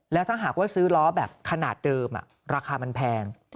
แล้วถ้าหากว่าซื้อล้อแบบขนาดเดิมราคามันแพง